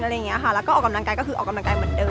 แล้วก็ออกกำลังกายก็คือออกกำลังกายเหมือนเดิ